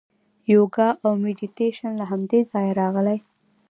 یوګا او میډیټیشن له همدې ځایه راغلي.